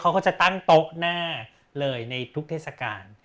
เขาก็จะตั้งโต๊ะหน้าเลยในทุกเทศกาล